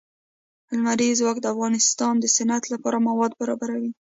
لمریز ځواک د افغانستان د صنعت لپاره مواد برابروي.